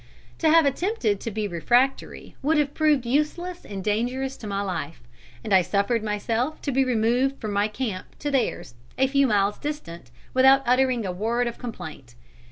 To have attempted to be refractory would have proved useless and dangerous to my life, and I suffered myself to be removed from my camp to theirs, a few miles distant, without uttering a word of complaint.